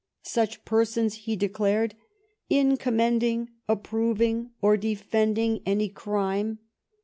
Such persons, he declared, " in com mending, approving, or defending any crime